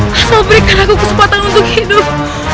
asal memberi aku kesempatan untuk hidup